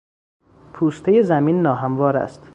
پوستهی زمین ناهموار است.